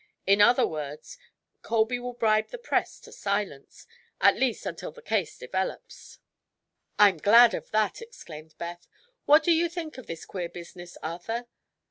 In other words, Colby will bribe the press to silence, at least until the case develops." "I'm glad of that," exclaimed Beth. "What do you think of this queer business, Arthur?"